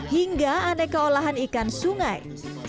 hingga aneka olahan ikan sungai